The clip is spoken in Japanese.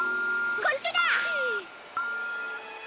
こっちだ！